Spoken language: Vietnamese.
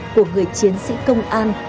của người chiến sĩ công an